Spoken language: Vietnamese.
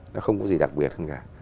nó không có gì đặc biệt hơn cả